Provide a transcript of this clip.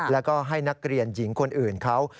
แล้วก็ให้นักเรียนหญิงคนอื่นเขา